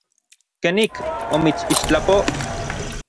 ¿Kenik omitsixtlapoj?